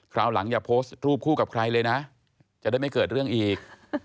คราวหลังอย่าโพสต์รูปคู่กับใครเลยนะจะได้ไม่เกิดเรื่องอีก